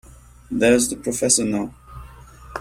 There's the professor now.